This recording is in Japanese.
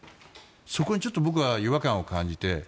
そこにちょっと僕は違和感を感じて。